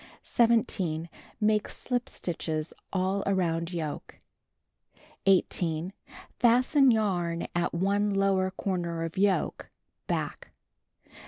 17. Make slip stitches all around yoke. 18. Fasten yarn at one lower corner of yoke, back.